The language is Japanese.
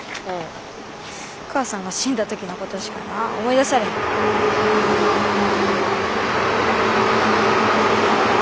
お母さんが死んだ時のことしかな思い出されへん。